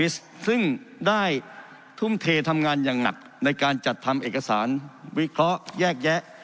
ซึ่งได้ทุ่มเททำงานอย่างหนักในการจัดทำเอกสารวิเคราะห์แยกแยะ